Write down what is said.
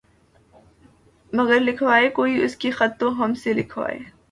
مگر لکھوائے کوئی اس کو خط تو ہم سے لکھوائے